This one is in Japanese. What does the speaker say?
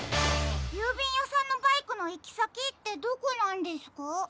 ゆうびんやさんのバイクのいきさきってどこなんですか？